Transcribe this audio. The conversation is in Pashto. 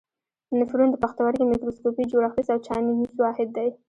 نفرون د پښتورګي میکروسکوپي جوړښتیز او چاڼیز واحد دی.